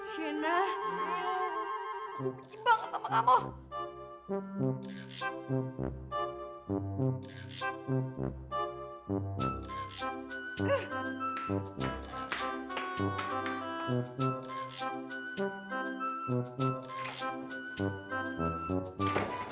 sina aku benci banget sama kamu